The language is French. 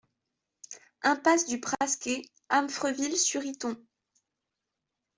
Impasse du Prasquer, Amfreville-sur-Iton